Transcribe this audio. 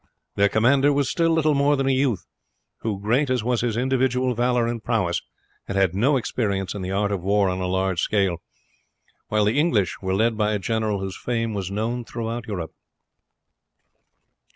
Their commander was still little more than a youth, who, great as was his individual valour and prowess, had had no experience in the art of war on a large scale; while the English were led by a general whose fame was known throughout Europe.